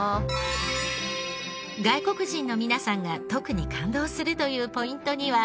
外国人の皆さんが特に感動するというポイントには。